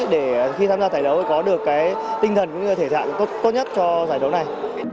để khi tham gia giải đấu có được tinh thần và thể thạng tốt nhất cho giải đấu này